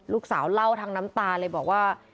ลูกสาวเล่าทั้งน้ำตาเลยบอกว่า